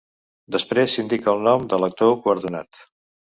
Després s'indica el nom de l'actor guardonat.